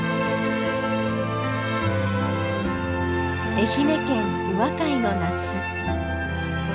愛媛県宇和海の夏。